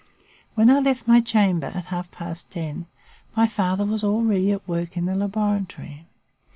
When I left my chamber, at half past ten, my father was already at work in the laboratory.